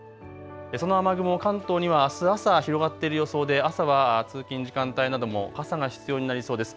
その雨雲、関東にはあす朝広がっている予想で朝は通勤時間帯なども傘が必要になりそうです。